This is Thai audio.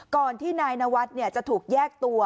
ก่อนที่นายนวัฒน์จะถูกแยกตัว